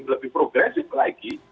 lebih progresif lagi